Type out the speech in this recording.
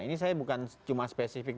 ini saya bukan cuma spesifik